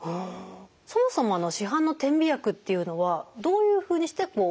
そもそも市販の点鼻薬っていうのはどういうふうにして鼻づまりを解消してるんですか？